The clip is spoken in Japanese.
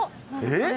えっ？